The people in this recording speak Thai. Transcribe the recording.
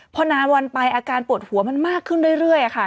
พอนานวันไปอาการปวดหัวมันมากขึ้นเรื่อยค่ะ